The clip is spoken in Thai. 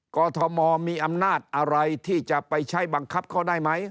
กรทมมีอำนาจอะไรที่จะไปใช้บังคับเขาได้ไหม